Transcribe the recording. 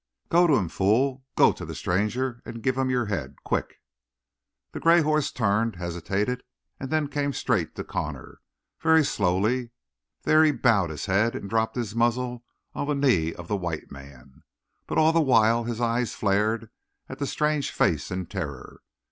"Go to him, fool. Go to the stranger and give him your head. Quick!" The gray horse turned, hesitated, and then came straight to Connor, very slowly; there he bowed his head and dropped his muzzle on the knee of the white man, but all the while his eyes flared at the strange face in terror.